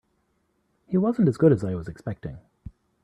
He wasn't as good as I was expecting.